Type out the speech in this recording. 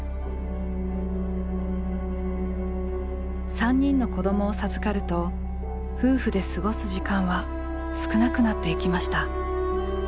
３人の子どもを授かると夫婦で過ごす時間は少なくなっていきました。